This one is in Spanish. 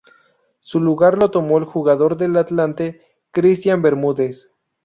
Su lugar lo tomó el jugador del Atlante, Christian Bermúdez.